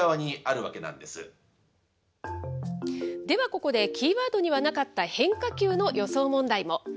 では、ここでキーワードにはなかった変化球の予想問題も。